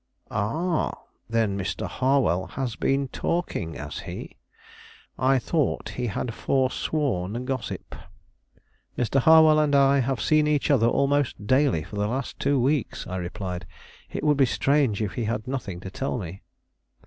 "Ah! then Mr. Harwell has been talking, has he? I thought he had forsworn gossip." "Mr. Harwell and I have seen each other almost daily for the last two weeks," I replied. "It would be strange if he had nothing to tell me."